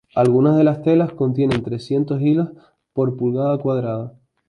Algunas de las telas contienen trescientos hilos por pulgada cuadrada.